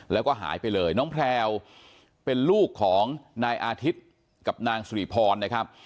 แล้วก็หายไปเลยน้องแพลวเป็นลูกของนายอาทิตย์กับนางสุริพรนะครับ